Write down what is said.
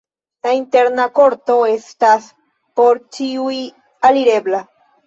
La interna korto estas por ĉiuj alirebla.